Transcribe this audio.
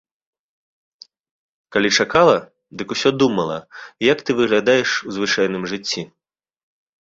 Калі чакала, дык усё думала, як ты выглядаеш у звычайным жыцці?